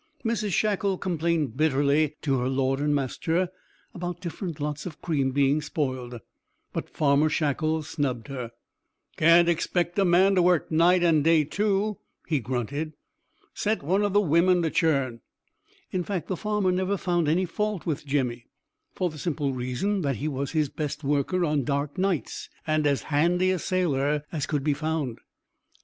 Mrs Shackle complained bitterly to her lord and master about different lots of cream being spoiled, but Farmer Shackle snubbed her. "Can't expect a man to work night and day too," he grunted. "Set one of the women to churn." In fact, the farmer never found any fault with Jemmy, for the simple reason that he was his best worker on dark nights, and as handy a sailor as could be found.